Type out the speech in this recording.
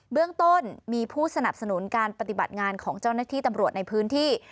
เรื่องต้นมีผู้สนับสนุนการปฏิบัติงานของเจ้าหน้าที่ตำรวจในพื้นที่